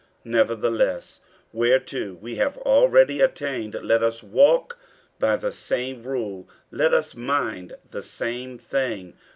50:003:016 Nevertheless, whereto we have already attained, let us walk by the same rule, let us mind the same thing.